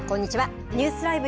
ニュースＬＩＶＥ！